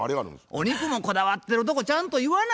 お肉もこだわってるとこちゃんと言わな。